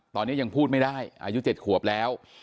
ตอนนี้ยังพูดไม่ได้อายุ๗ขวบแล้ว